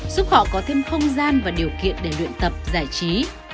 giúp họ có thêm không gian và điều kiện để luyện tập giải trí